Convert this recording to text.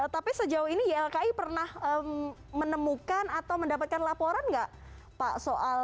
tapi sejauh ini ylki pernah menemukan atau mendapatkan laporan nggak pak soal